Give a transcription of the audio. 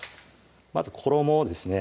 まず衣をですね